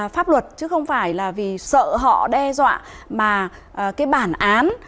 pháp luật chứ không phải là vì sợ họ đe dọa mà cái bản án